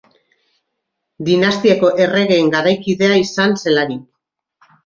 Dinastiako erregeen garaikidea izan zelarik.